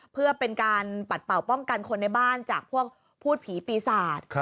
เพื่อเป็นการปัดเป่าป้องกันคนในบ้านจากพวกพูดผีปีศาจ